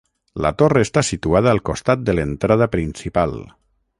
La torre està situada al costat de l'entrada principal.